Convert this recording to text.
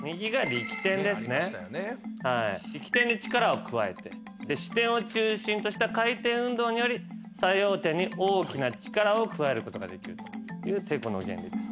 力点に力を加えて支点を中心とした回転運動により作用点に大きな力を加えることができるというてこの原理です。